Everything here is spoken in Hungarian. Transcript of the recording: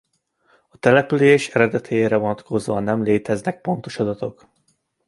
A település eredetére vonatkozóan nem léteznek pontos adatok.